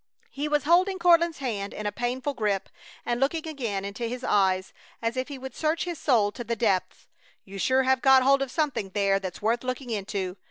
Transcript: He was holding Courtland's hand in a painful grip, and looking again into his eyes as if he would search his soul to the depths: "You sure have got hold of something there that's worth looking into!